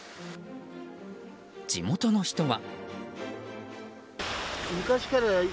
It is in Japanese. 地元の人は。